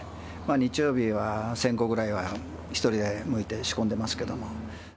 日曜日は１０００個ぐらいは１人でむいて仕込んでますけども。